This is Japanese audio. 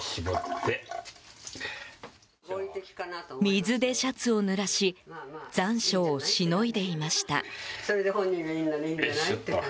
水でシャツをぬらし残暑をしのいでいました。